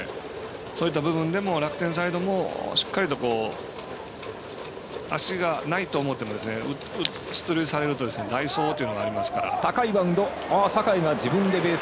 そういった部分で楽天サイドもしっかりと足がないと思っても出塁されるとワンアウトです。